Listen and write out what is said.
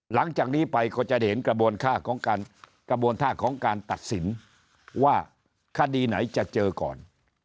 หลังจากนี้ไปก็จะเห็นกระบวนท่าของการตัดสินว่าคดีไหนจะเจอก่อน